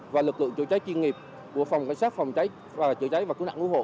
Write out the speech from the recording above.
và lực lượng chữa cháy chuyên nghiệp của phòng cảnh sát phòng cháy và chữa cháy và cứu nạn cứu hộ